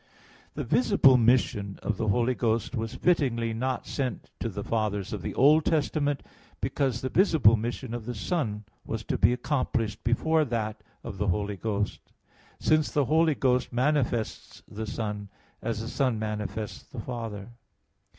The visible mission of the Holy Ghost was fittingly not sent to the fathers of the Old Testament, because the visible mission of the Son was to be accomplished before that of the Holy Ghost; since the Holy Ghost manifests the Son, as the Son manifests the Father.